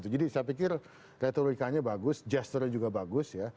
jadi saya pikir retorikanya bagus gesternya juga bagus